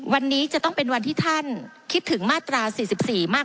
วันนี้จะต้องเป็นวันที่ท่านคิดถึงมาตรา๔๔มาก